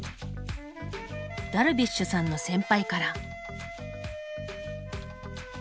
ダルビッシュさんの先輩から。